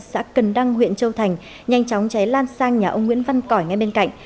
xã cần đăng huyện châu thành nhanh chóng cháy lan sang nhà ông nguyễn văn cỏi ngay bên cạnh